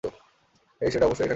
হেই, সে অবশ্যই এখানে কোথাও আছে।